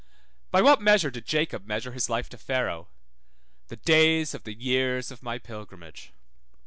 By what measure did Jacob measure his life to Pharaoh? The days of the years of my pilgrimage. 1212 Gen. 47:9.